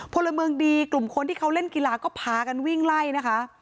พลเมืองดีกลุ่มคนที่เขาเล่นกีฬาก็พากันวิ่งไล่นะคะ